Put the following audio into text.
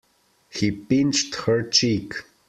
He pinched her cheek.